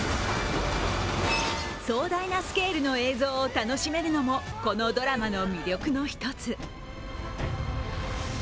壮大なスケールの映像を楽しめるのもこのドラマの魅力の１つ。